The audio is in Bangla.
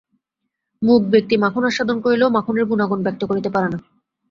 মূক ব্যক্তি মাখন আস্বাদন করিলেও মাখনের গুণাগুণ ব্যক্ত করিতে পারে না।